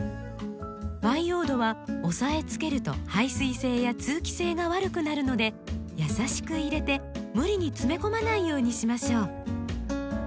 培養土は押さえつけると排水性や通気性が悪くなるので優しく入れて無理に詰め込まないようにしましょう。